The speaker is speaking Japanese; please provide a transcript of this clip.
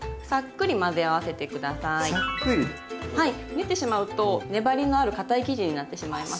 練ってしまうと粘りのあるかたい生地になってしまいます。